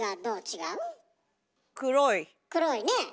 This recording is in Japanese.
黒いねえ。